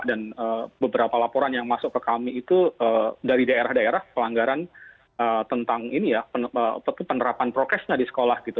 dan beberapa laporan yang masuk ke kami itu dari daerah daerah pelanggaran tentang ini ya penerapan prokesnya di sekolah gitu